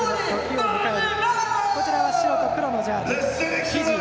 こちらは白と黒のジャージフィジー。